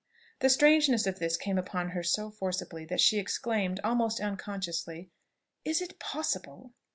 The strangeness of this came upon her so forcibly, that she exclaimed, almost unconsciously, "Is it possible!"